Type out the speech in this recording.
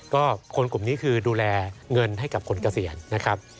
ก็คนกลุ่มนี้คือดูแลเงินให้กับคนเกษียณนะครับ